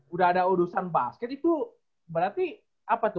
udah ada urusan basket itu berarti apa tuh